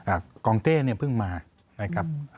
เอ่อกองเต้เพิ่งมานะครับ